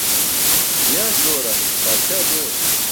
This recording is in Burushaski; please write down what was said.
Giyaas zoora, paatśaa zoor?